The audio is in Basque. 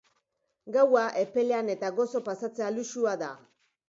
Gaua epelean eta gozo pasatzea luxua da.